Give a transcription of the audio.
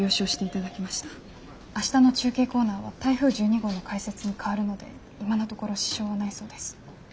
明日の中継コーナーは台風１２号の解説に変わるので今のところ支障はないそうです。